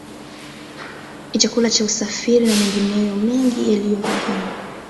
Chakula na usafiri na mengineyo mengi yaliyo muhimu